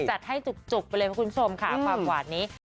จัดให้จุกไปเลยคุณผู้ชมค่ะความหวานนี้